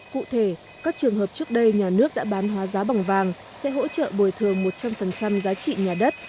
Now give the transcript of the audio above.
cụ thể các trường hợp trước đây nhà nước đã bán hóa giá bằng vàng sẽ hỗ trợ bồi thường một trăm linh giá trị nhà đất